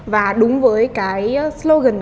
và đúng với cái slogan